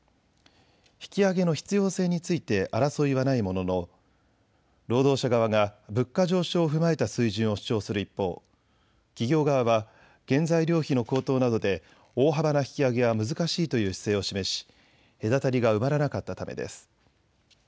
引き上げの必要性について争いはないものの労働者側が物価上昇を踏まえた水準を主張する一方、企業側は原材料費の高騰などで大幅な引き上げは難しいという姿勢を示し隔たりが埋まらなかったためです。